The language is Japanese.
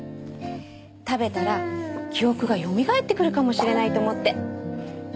食べたら記憶がよみがえってくるかもしれないと思って。